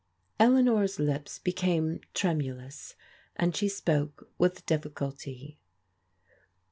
Eleanor's lips became tremulous, and she spoke with difficulty.